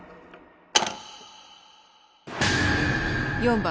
４番。